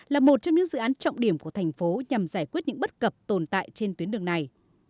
là một trong những dự án trọng điểm của thành phố nhằm giải quyết những bất cập tồn tại trên tuyến đường này